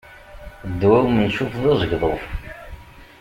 Ddwa umencuf d azegḍuf.